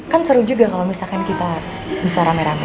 kan seru juga kalau misalkan kita bisa rame rame